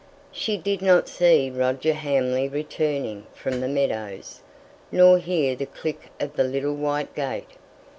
She did not see Roger Hamley returning from the meadows, nor hear the click of the little white gate.